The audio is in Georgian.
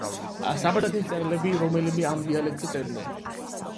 საბერძნეთის მწერლები რომელიმე ამ დიალექტზე წერდნენ.